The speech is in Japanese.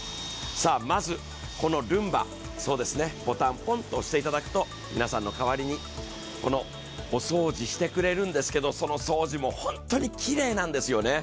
まずこのルンバ、ボタン、ポンと押していただくと皆さんの代わりにお掃除してくれるんですけどその掃除も本当にきれいなんですよね。